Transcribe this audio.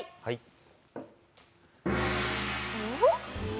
はい。